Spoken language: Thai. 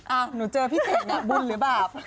อ้าหนูเจอพี่เสกนะบุญหรือบาป